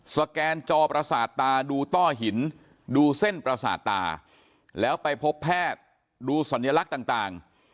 แกนจอประสาทตาดูต้อหินดูเส้นประสาทตาแล้วไปพบแพทย์ดูสัญลักษณ์ต่าง